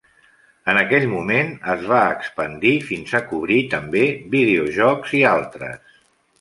En aquell moment, es va expandir fins a cobrir també videojocs i altres.